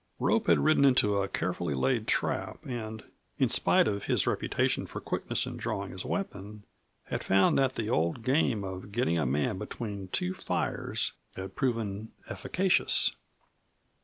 Rope had ridden into a carefully laid trap and, in spite of his reputation for quickness in drawing his weapon, had found that the old game of getting a man between two fires had proven efficacious.